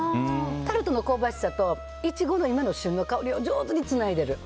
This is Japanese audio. タルトの香ばしさとイチゴの今の旬の香りを上手につないでる。